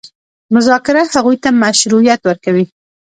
مذاکره هغوی ته مشروعیت ورکوي.